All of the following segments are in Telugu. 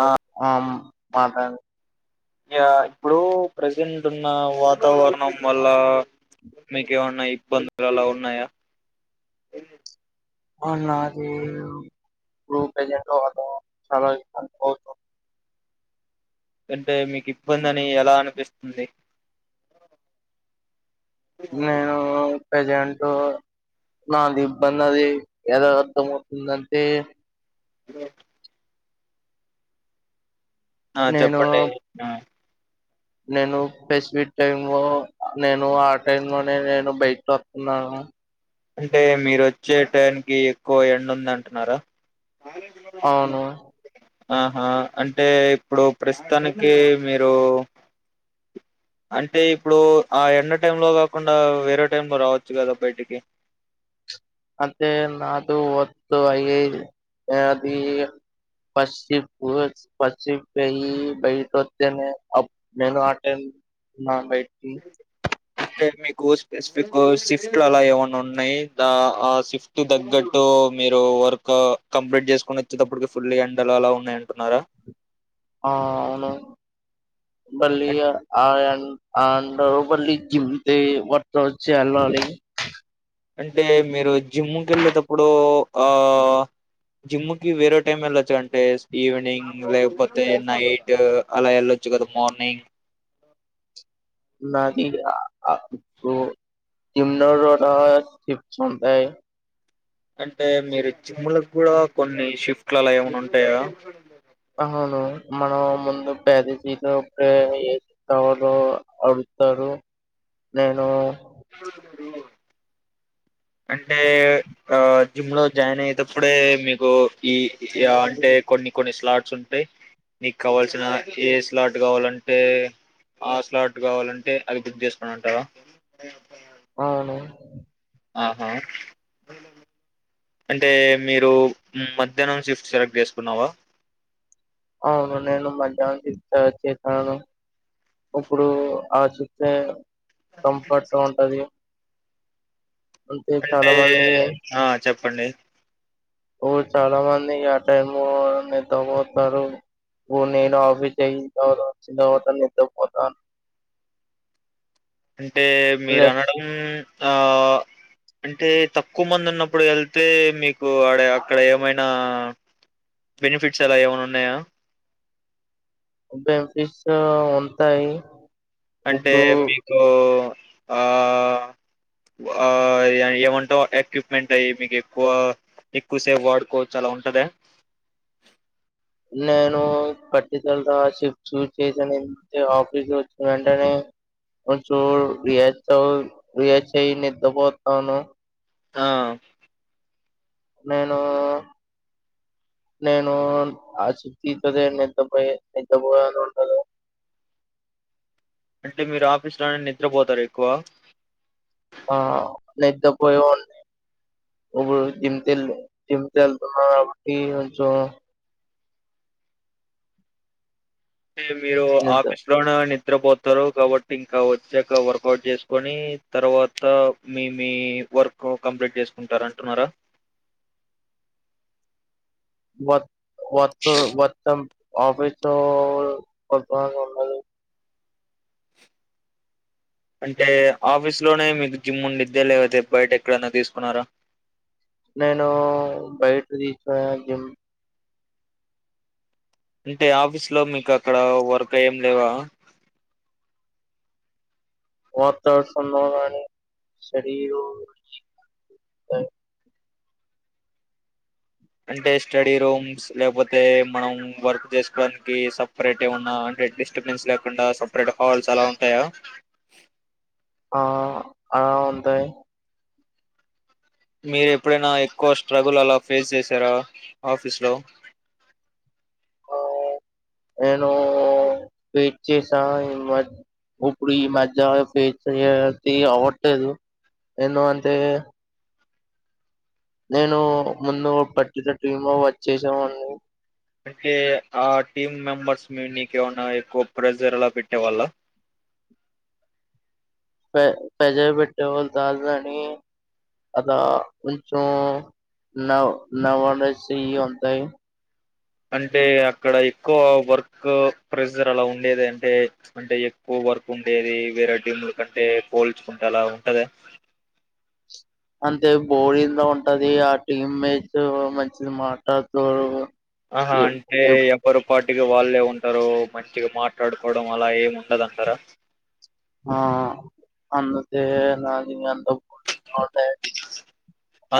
ఆ ఆమ్ మాత ఇక ఇప్పుడు ప్రజెంట్ ఉన్న వాతావరణం వల్ల, మీకు ఏమన్నా ఇబ్బందులు అలా ఉన్నాయా. అ నాది గ్రూప్ ఏజెంట్ అ చాలా ఇబ్బంది అవుతుంది. అంటే మీకు ఇబ్బంది అని ఎలా అనిపిస్తుంది. జ్ఞా కుం ప్రజెంట్ నాది ఇబ్బంది అది ఎదో అర్థమవుతుంది అంటే ఎదో ఆ నేను చెప్పండి నన్ నేను పెసిఫిక్ టైమ్ లో నేను ఆ టైం లోనే నేను బైక్ లో వస్తున్నా అంటే మీరు వచ్చే టైం కి ఎక్కువ ఎండ ఉంది అంటున్నారా అవును ఆహా అంటే ఇప్పుడు ప్రస్తుతానికి మీరు అంటే, ఇప్పుడు ఆ ఎండ టైం లో కాకుండా వేరే టైం లో, రావచ్చు కదా బయటికి. అంటే నాతో వద్దు అయి అది పసిపు పసిప్ అయి బయట వస్తేనే నేను ఆటైం బయట్ అంటే కోస్ స్పెసిఫిక్ షిఫ్ట్లు అలా ఏమన్నా ఉన్నయి ద ఆ షిఫ్ట్ తగ్గట్టు మీరు వర్క్ కంప్లీట్ చేసుకుని, వచ్చేటప్పడుకి, ఫుల్ ఎండల్ అలా ఉన్నాయి అంటున్నారా. ఆ అవును మళ్ళి అం- ఆయాన్ అండర్ బల్లీ జిమ్తే వర్ వచ్చ అలో లి అంటే మీరు జిమ్కి వెళ్ళేటప్పుడు, ఆ జిమ్కి వేరే టైం వెళ్ళొచ్చు. అంటే ఈవినింగ్ లేకపోతే నైట్ అలా వెళ్ళొచ్చు కదా మార్నింగ్. నాది అ [unintelligible] అంటే మీరు చీముల కి కూడా కొన్ని షిఫ్ట్లు అలా ఏమైనా ఉంటాయా అవును మనం ముందు పేద చీతే ఏ కావాలో అడుగుతారు నేను అంటే ఆ జిమ్ లో జాయిన్ అయ్యేటప్పుడే, మీకు ఈ అంటే కొన్ని కొన్ని స్లాట్స్ ఉంటాయి. మీకు కావాల్సిన ఏ స్లాట్ కావాలంటే, ఆ స్లాట్ కావాలంటే అది బుక్ చేసుకుని అంటారా. అవును ఆహా అంటే మీరు మధ్యాహ్నం షిఫ్ట్ సెలెక్ట్ చేసుకున్నావా. అవును నేను మధ్యాహ్నం చేస్తాను ఇప్పుడు ఆ చూస్తేనే కంఫర్ట్గా ఉంటది అంతే చాలా అంటే మంది ఆ చెప్ ప్పండి ఒ చాలా మంది ఆ టైం లో నిద్రపోతారు నేను ఆఫీస్ అయిన తరువాత నిద్ర పోతా అంటే మీరు అనడం ఆ అంటే తక్కువ మంది ఉన్నప్పుడు వెళ్తే మీకు ఆడే అక్కడ ఏమైనా బెనిఫిట్స్ అలా ఏమనా ఉన్నయా. బెన్ఫిట్స్ ఉంటాయి. అంటే ఇప్పుడు మీకు ఆ ఆ ఏమంటావు ఎక్విప్మెంట్ అయి మీకు ఎక్కువ ఎక్కువసేపు వాడుకోవచ్చు అలా ఉంటదా. నేను కచ్చితంగా షిప్ట్స్ చేసాను ఆఫీస్ వచ్చిన వెంటేనే కొంచెం రియాక్స్ రిలాక్స్ అయి నిద్రపోతాను. ఆ నేను నేను ఆ షిప్ట్ ఇంచార్జ్ నిద్రపోయి నిద్ర [inaudible] ఉండదు. అంటే మీరు ఆఫీసు లోనే నిద్రపోతారు ఎక్కువ ఆ నిద్రపోయోవాన్ని ఇప్పుడు జిమ్ కెల్లి జిమ్ కెళ్తున్నా కాబట్టి కొంచెం అంటే మీరు నిద్ర ఆఫీస్ లోన నిద్రపోతారు కాబట్టి ఇంకా వచ్చాక వర్కౌట్ చేసుకొని తర్వాత మీ మీ వర్క్ కంప్లీట్ చేసుకుంటారు అంటున్నారా. వ వత్తు వత్తం. ఆఫీస్ లో ఎవలు పడుకోడానికి ఉండదు. అంటే ఆఫీస్ లోనే మీకు జిమ్ ఉండిద్దా లేకపోతే బయట ఎక్కడన్నా తీసుకున్నారా. నేను బయట తీసుకునే జిమ్ అంటే ఆఫీస్ లో మీకు అక్కడ వర్క్ ఏం లేవా. వతడుసుండవుగాని స్టడీ రూం [inaudible] అంటే స్టడీ రూమ్స్ లేకపోతే మనం వర్క్ చేసుకోడానికి సపరేట్ ఏమన్నా అంటే డిస్టబెన్స్ లేకుండా స పరేట్ హాల్స్ అలా ఉంటాయా. ఇ ఆ అ ఉంటాయి. మీరు ఎప్పుడైనా ఎక్కువ స్ట్రగుల్ అలా ఫేస్ చేసారా ఆఫీస్ లో. అవును నేను ఫేస్ చేసా ఈ మ ఉప్పుడు ఈ మధ్య ఫేస్ చే అవ్వట్లేదు ఎందుకు అంటే నేను ముందు పట్టిన టీమ్ లో వర్క్ చేసావాన్ని. అంటే ఆ టీమ్ మెంబర్స్ మీ నీకు ఏమన్నా ఎక్కువ ప్రెజర్లా పెట్టే వాళ్ళ. పె ప్రెజర్ పెట్టేవాళ్ళు కాదు కాని అలా కొంచెం నవ నవనసియి ఉంటాయి. అంటే అక్కడ ఎక్కువ వర్క్ ప్రెసర్ అలా ఉండేది, అంటే అంటే ఎక్కువ వర్క్ ఉండేది. వేరే టీమ్లు కంటే పోల్చుకుంటే అలా ఉంటదా. అంతే బోరింగ్ గా ఉంటది. ఆ టీమ్ మేట్స్ మంచిగా మాట్లాడుకోరు. ఆహా అంటే ఎవరు పాటికి వాళ్ళే ఉంటారు మంచిగా మాట్లాడుకోవడం అలా ఏమి ఉండదంటారా. ఆ అందుకే నాకు అంత బోరింగ్ గా అవుతాయి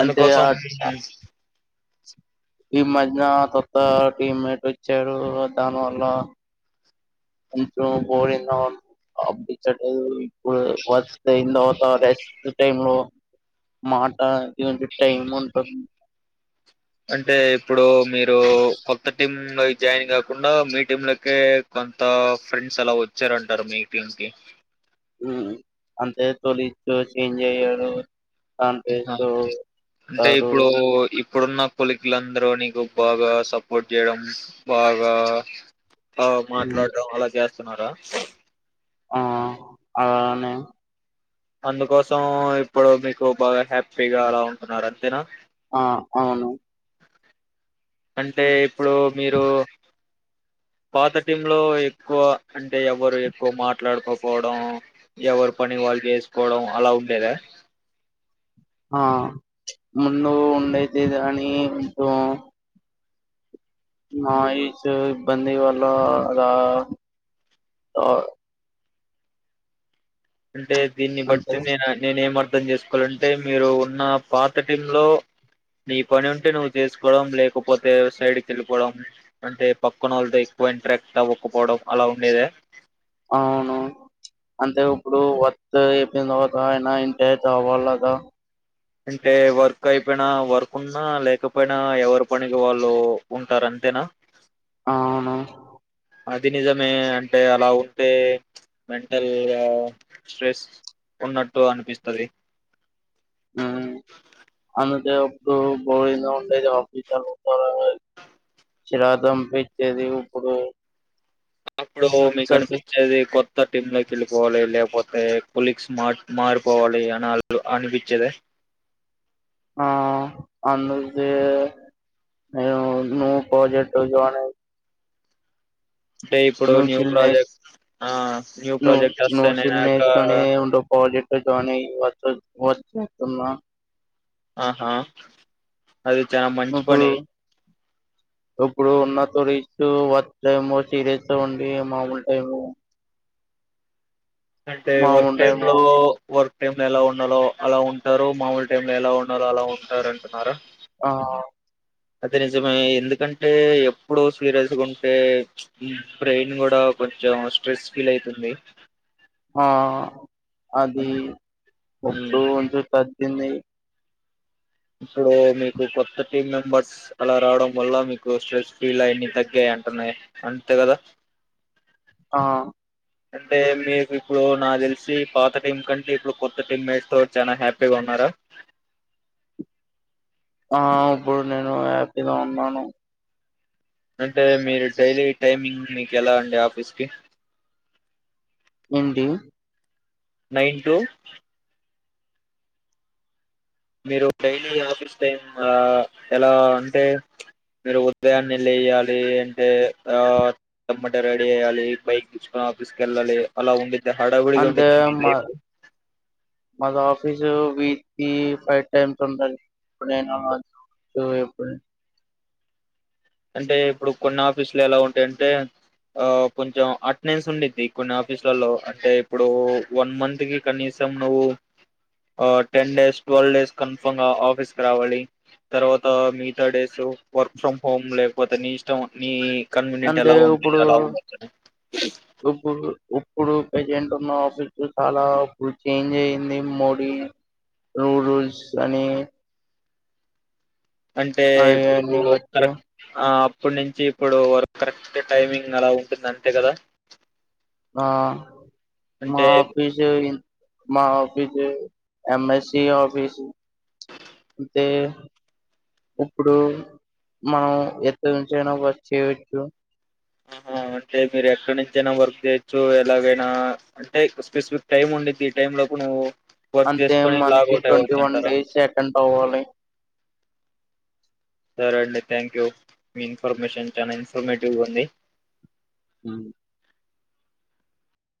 అంటే ఆ ఈ మధ్య కొత్త టీమ్మేట్ వచ్చారు దానివల్ల కొంచెం బోరింగా అనిపించట్లేదు. ఇప్పుడు వర్క్ అయిన తర్వాత రెస్ట్ టైం లో మాట్డానికి టైం ఉంటుంది. అంటే ఇప్పుడు మీరు కొత్త టీం జాయిన్ కాకుండా మీ టీమ్ లోకే కొంత ఫ్రెండ్స్ అలా వచ్చారంటారు మీ టీం కి. అంటే తోలిగ్స్ చేంజ్ అయారు. అంటే ఇప్పుడు ఇప్పుడున్న కొలికులందరూ నీకు బాగా సపోర్ట్ చేయడం, బాగా ఆ మాట్లాడం అలా చేస్ తున్నారా. ఆ అలానే అందుకోసం ఇప్పుడు మీకు బాగా హ్యాపీగా అలా ఉంటున్నారు అంతేనా ఆ అవును అంటే ఇప్పుడు మీరు పాత టీమ్ లో ఎక్కువ అంటే ఎవరు ఎక్కువ మాట్లాడుకోపోవడం ఎవరు పని వాళ్ళు చేసుకోవడం అలా ఉండేదా ఆ ముందు ఉండైతేదని [unintelligible] నాయిసు ఇబ్బంది వాళ్ళ రా అంటే దీన్ని అంటే బట్టి నేన్ అనే నేన్నేం అర్ద్ అర్థం చేసుకోవాలంటే మీరు ఉన్న పాత టీంలో నీ పని ఉంటే నువ్వు చేసుకోవడం, లేకపోతే సైడ్కి వెళ్ళిపోవడం, అంటే పక్కన వాళ్ళతో ఎక్కువ ఇంట్రాక్ట్ అవ్వకపోవడం అలా ఉండేదా. అవును అంటే ఇప్పుడు వత్ అయిపోయిన తర్వాత [unintelligible] అంటే వర్క్ అయిపోయినా వర్క్ ఉన్నా లేకపోయినా ఎవరి పనికి వాళ్ళు ఉంటారు. అంతేనా ఆ అవును అది నిజమే అంటే అలా ఉంటే మెంటల్ స్ట్రెస్ ఉన్నట్టు అనిపిస్తది ఊ అందు ఎప్పుడూ బోరింగ్ గా ఉంటు [unintelligible] చిరాదం పిచ్చేది ఇప్పుడు అప్పుడు మీకు సస్ అనిపించేది కొత్ కొత్త టీమ్ లేకి వెళ్ళిపోవాలి లేకపోతే కొలీగ్స్ మార్ మారిపోవాలి అని అనిపించేదె ఆ అందుకే నేను న్యూ ప్రాజెక్ట్ లో జాయిన్ అంటే ఇప్పుడు నువ్వు న్యూ సిల్ నే ప్రాజెక్ట్ ఆ న్యూ నువ్వు ప్రాజెక్ట్ నువ్వు సిల్ వస్తేనేనాక నేర్చుకొని ఉండు [unintelligible] ఆహా అది చానా మంచి ఇప్పుడు పని ఇప్పుడు ఉన్న తరీస్ వర్చ్ టైము సీరియస్ త ఉండి మామూలు టైము అంటే వర్క్ మామూలు టైమ్ టైము లో వర్క్ టైమ్ లో ఎలా ఉండాలో అలా ఉంటారు మామూలు టైమ్ లో ఎలా ఉండాలో అలా ఉంటారు అంటున్నారా ఆ అది నిజమే ఎందుకంటే ఎప్పుడు సీరియస్గా ఉంటే బ్రెయిన్ కూడా కొంచెం స్ట్రెస్ ఫీల్ అయితుంది ఆ అన్ అది హ్మ్. ఇప్పుడు కొంచెం తగ్గింది ఇప్పుడు మీకు కొత్త టీమ్ మెంబర్స్ అలా రావడం వల్ల మీకు స్ట్రెస్ ఫ్రీల్ అన్ని తగ్గాయి అంటున్నాయి అంతే కదా ఆ అంటే మీకు ఇప్పుడు నాకు తెలిసి పాత టీం కంటే ఇప్పుడు కొత్త టీమ్ మేట్స్ త చాలా హ్యాపీగా ఉన్నారా ఆ అప్పుడు నేను ఇలా ఉన్నాను అంటే మీరు డైలీ టైమింగ్ మీకు ఎలా అండి ఆఫీస్ కి ఏంటి నైన్ టూ మీరు డైలీ ఆఫీస్ టైమ్ ఆ ఎలా అంటే మీరు ఉదయాన్న లేయాలి అంటే ఆ ఎమ్మటే రెడీ అయ్యాలి బైక్ తీసుకొని ఆఫీస్ కి వెళ్ళాలి అలా ఉంది ఇక హడావుడి గా అంటే ఉండిద్దండి మా [unintelligible] మాది ఆఫీసు వీక్ కి ఫైవ్ టైమ్స్ ఉండాల ఇప్పుడు నేను ఎప్పుడు అంటే ఇప్పుడు కొన్ని ఆఫీసులు ఎలా ఉంటాయంటే ఆ కొంచెం అటెండెన్స్ ఉండిద్ది కొన్ని ఆఫీసులలో అంటే ఇప్పుడు వన్ మంత్ కి కనీసం నువ్వు ఆ ten days twelve days confirm గా ఆఫీస్ కి రావాలి తర్వాత మిగతా డేస్ వర్క్ ఫ్రమ్ హోమ్ లేకపోతే నీ ఇష్టం నీ కన్వినియంట్ అంటే ఎలా ఉంది ఇప్పుడు అలా ఉండొచ్చు ఇప్పుడు ఇప్పుడు ప్రజెంట్ ఉన్న ఆఫీస్ చాలా ఇప్పుడు చేంజ్ అయింది మోడీ రూ రూల్స్ అని అంటే ఇప్పుడు అవన్నీ వచ్చాయి. కరెక్ట్ ఆ ఇప్పటి నుంచి ఇప్పుడు వర్క్ కరెక్ట్ టైమింగ్ అలా ఉంటుంది అంతే కదా ఆ మా అంటే పీజీ అయి మా ఆఫిస్ యం యస్ సిఆఫిస్ అంటే ఇప్పుడు మనం ఎత్త నుంచయినా చేయచ్చు ఆహా అంటే మీరు ఎక్కడి నుంచైనా వర్క్ చేయ్యచ్చు ఎలాగైనా అంటే స్పెసిఫిక్ టైమ్ ఉండిద్ది ఈ టైమ్ లోకి నువ్వు వర్క్ అంతే చేసుకొని మంత్లీ లాగౌట్ ట్వంటీ అవ్వచ్చు వన్ అంటారా డేస్ అటెండ్ అవ్వాలి చూడండి థ్యాంక్ యూ మీ ఇన్ఫర్మేషన్ చాలా ఇన్ఫర్మేటివ్గా ఉంది హ్మ్